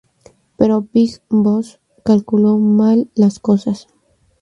Pero Big Boss calculó mal las cosas.